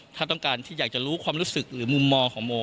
ถ้าต้องการที่อยากจะรู้ความรู้สึกหรือมุมมองของโม